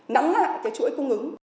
nắm lại cái chuỗi cung ứng